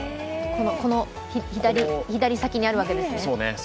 この左先にあるわけですね。